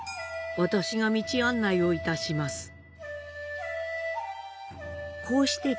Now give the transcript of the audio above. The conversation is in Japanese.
私が道案内をいたします。